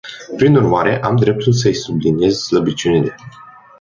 Prin urmare, am dreptul să îi subliniez slăbiciunile.